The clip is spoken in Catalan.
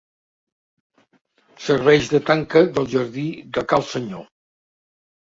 Serveix de tanca del jardí de Cal Senyor.